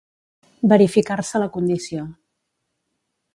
Verificar-se la condició.